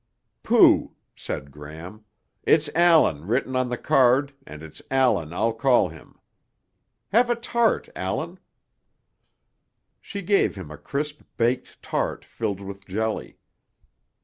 "Pooh," said Gram. "It's Allan written on the card and it's Allan I'll call him. Have a tart, Allan." She gave him a crisp baked tart filled with jelly.